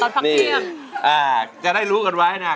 สวัสดีครับคุณหน่อย